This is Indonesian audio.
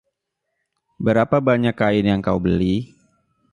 Berapa banyak kain yang kau beli?